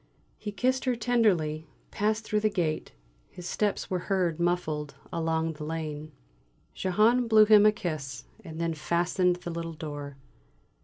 He kissed her tenderly, passed through the gate; his steps were heard muffled along the lane. Jehane blew him a kiss, and then fastened the little door.